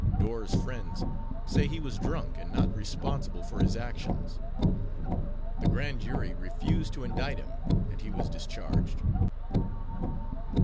Dorr's friends say he was drunk and not responsible for his actions. The grand jury refused to indict him and he was discharged.